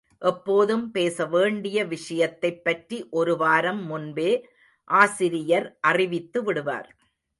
எப்போதும் பேசவேண்டிய விஷயத்தைப் பற்றி ஒரு வாரம் முன்பே ஆசிரியர் அறிவித்து விடுவார்.